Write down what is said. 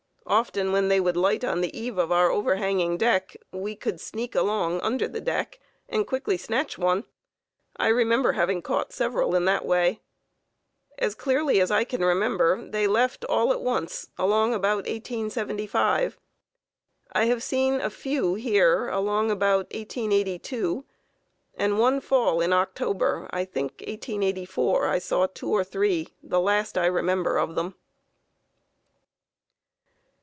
Often, when they would light on the eave of our overhanging deck, we could sneak along under the deck and quickly snatch one. I remember having caught several in that way. As clearly as I can remember, they left all at once along about 1875. I have seen a few here along about 1882, and one fall in October, I think, of 1884, I saw two or three, the last I remember of them.